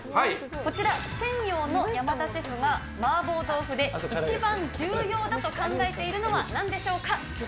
こちら、せん陽の山田シェフが、麻婆豆腐で一番重要だと考えているのはなんでしょうか。